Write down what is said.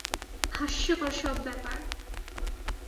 হাস্যকর সব ব্যাপার।